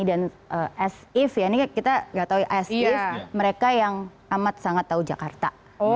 dan as if ya ini kita gak tahu as if mereka yang amat sangat tahu jakarta